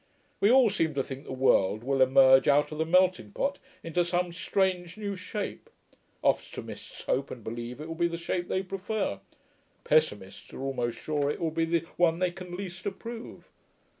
We all seem to think the world will emerge out of the melting pot into some strange new shape; optimists hope and believe it will be the shape they prefer, pessimists are almost sure it will be the one they can least approve.